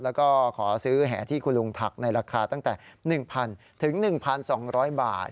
แล้วก็ขอซื้อแห่ที่คุณลุงถักในราคาตั้งแต่๑๐๐ถึง๑๒๐๐บาท